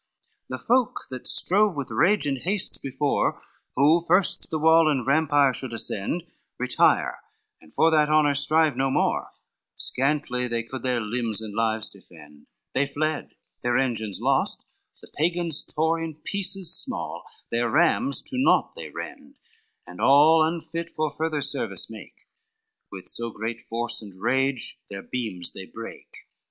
LXV The folk that strove with rage and haste before Who first the wall and rampire should ascend, Retire, and for that honor strive no more, Scantly they could their limbs and lives defend, They fled, their engines lost the Pagans tore In pieces small, their rams to naught they rend, And all unfit for further service make With so great force and rage their beams they brake.